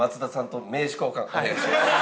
お願いします。